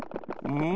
うん？